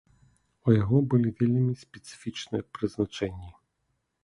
У яго былі вельмі спецыфічныя прызначэнні.